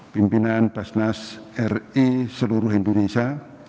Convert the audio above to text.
pimpinan basnas ri seluruh indonesia